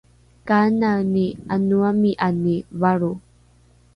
kanani ’aanoami’ani valro?